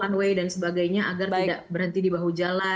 runway dan sebagainya agar tidak berhenti di bahu jalan